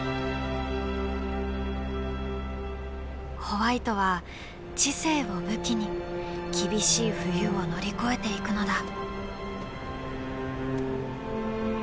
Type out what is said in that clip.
ホワイトは知性を武器に厳しい冬を乗り越えていくのだ。